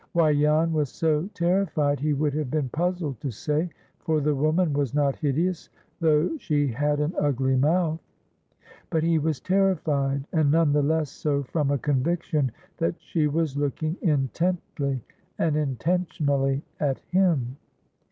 Why Jan was so terrified, he would have been puzzled to say, for the woman was not hideous, though she had an ugly mouth. But he was terrified, and none the less so from a conviction that she was looking intently and intentionally at him.